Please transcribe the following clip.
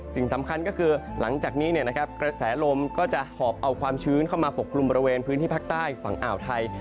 สิ่งสำคัญก็คือหลังจากนี้กระแสลมก็จะหอบเอาความชื้นเข้ามาปกคลุมบริเวณพื้นที่ภาคใต้ฝั่งอ่าวไทย